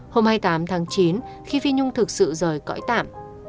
hôm hai mươi tám tháng chín khi phi nhung thực sự rời cõi tạm